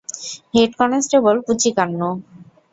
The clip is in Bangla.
Head constable Puchikannu.